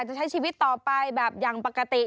จะใช้ชีวิตต่อไปแบบอย่างปกติ